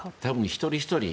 一人ひとり